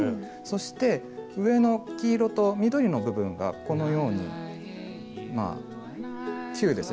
そして上の黄色と緑の部分がこのようにまあ球ですよね